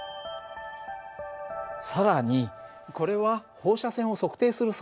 更にこれは放射線を測定する装置だよ。